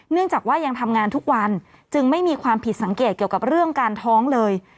เนื่องจากว่ายังทำงานทุกวันจึงไม่มีความผิดสังเกตเกี่ยวกับเรื่องการท้องเลย